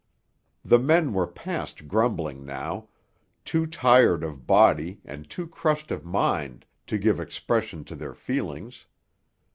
The men were past grumbling now, too tired of body and too crushed of mind to give expression to their feelings.